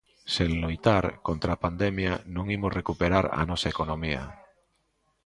Sen loitar contra a pandemia non imos recuperar a nosa economía.